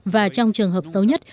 và trong trường hợp xấu nhất